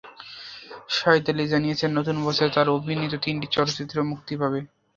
শাহেদ আলী জানিয়েছেন, নতুন বছরে তাঁর অভিনীত তিনটি চলচ্চিত্র মুক্তি পাবে।